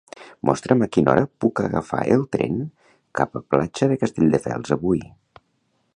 Mostra'm a quina hora puc agafar el tren cap a Platja de Castelldefels avui.